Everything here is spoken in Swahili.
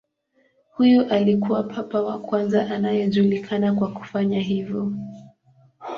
Huyu alikuwa papa wa kwanza anayejulikana kwa kufanya hivyo.